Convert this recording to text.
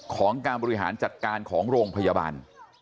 ของการบริหารจัดการของโรงพยาบาล